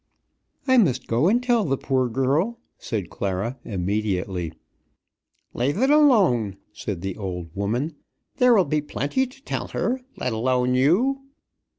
"I must go and tell the poor girl," said Clara, immediately. "Leave it alone," said the old woman. "There will be plenty to tell her, let alone you."